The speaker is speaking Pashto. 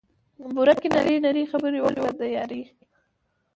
بوره ګي نري نري خبري وکړه د یاري